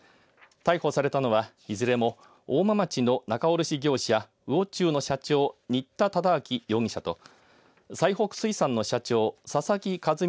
逮捕されたのは、いずれも大間町の仲卸業者魚忠の社長、新田忠明容疑者と最北水産の社長佐々木一美